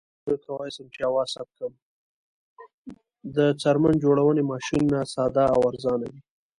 د څرمن جوړونې ماشینونه ساده او ارزانه دي